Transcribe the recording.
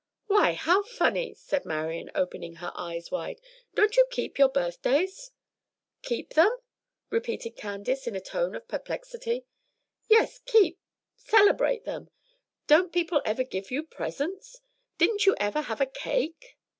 "Why, how funny!" cried Marian, opening her eyes wide. "Don't you keep your birthdays?" "Keep them?" repeated Candace, in a tone of perplexity. "Yes; keep celebrate them? Don't people ever give you presents? Didn't you ever have a cake?"